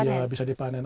sudah bisa dipanen